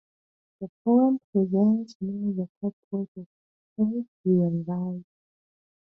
The poem presents him as a court poet of Prithviraj.